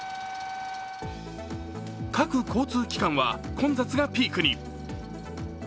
各交通機関は混雑がピークに。